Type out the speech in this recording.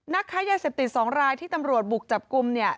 ค้ายาเสพติด๒รายที่ตำรวจบุกจับกลุ่มเนี่ย